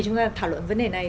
chúng ta thảo luận vấn đề này